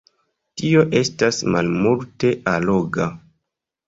Tio estas malmulte alloga.